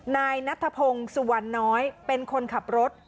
นายนัทพงศ์สุวรรณน้อยเป็นคนขับรถ